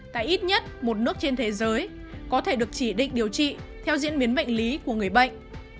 tại ít nhất một nước trên thế giới có thể được chỉ định điều trị theo diễn biến bệnh lý của người bệnh